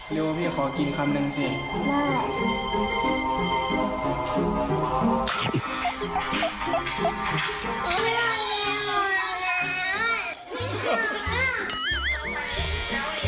ลูกพี่ขอกินคำหนึ่งสิ